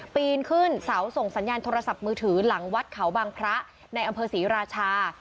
ปีนขึ้นเสาส่งสัญญาณโทรศัพท์มือถือหลังวัดเขาบางพระในอำเภอศรีราชา